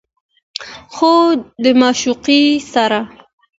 خو د معشوقې سره